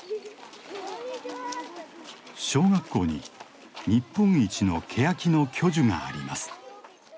小学校に日本一のケヤキの巨樹があります。